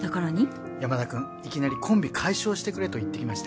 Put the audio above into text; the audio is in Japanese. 山田くんいきなりコンビ解消してくれと言ってきまして。